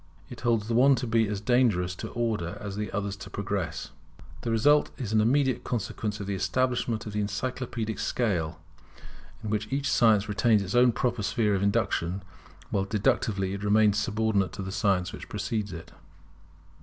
It holds the one to be as dangerous to Order as the other to Progress. This result is an immediate consequence of the establishment of the encyclopædic scale, in which each science retains its own proper sphere of induction, while deductively it remains subordinate to the science which precedes it.